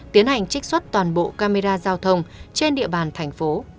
tiến hành trích xuất toàn bộ camera giao thông trên địa bàn thành phố